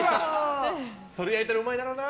それ焼いたらうまいだろうな。